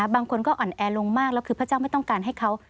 บางคนก็อ่อนแอลงมากแล้วคือพระเจ้าไม่ต้องการให้เขา